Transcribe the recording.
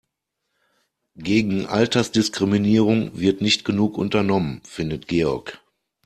Gegen Altersdiskriminierung wird nicht genug unternommen, findet Georg.